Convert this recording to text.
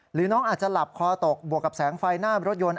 หรือน้องอาจจะหลับคอตกบวกกับแสงไฟหน้ารถยนต์